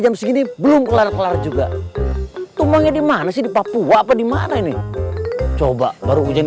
jam segini belum kelar kelar juga tumbangnya di mana sih di papua apa dimana ini coba baru hujan